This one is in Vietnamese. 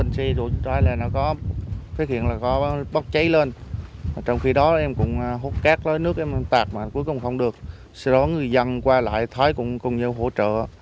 sau đó người dân qua lại thấy cũng nhiều hỗ trợ